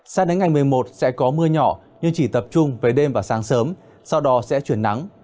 sao đến ngày một mươi một sẽ có mưa nhỏ nhưng chỉ tập trung về đêm và sáng sớm sau đó sẽ chuyển nắng